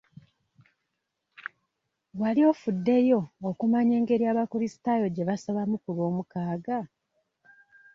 Wali ofuddeyo okumanya engeri abakulisitaayo gye basabamu ku lw'omukaaga?